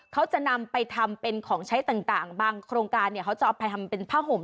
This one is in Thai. เขาจะนำไปทำเป็นของใช้ต่างบางโครงการเนี่ยเขาจะเอาไปทำเป็นผ้าห่ม